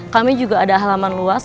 kami juga ada halaman luas